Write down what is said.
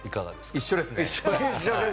一緒ですね。